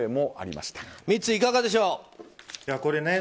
ミッツ、いかがでしょう。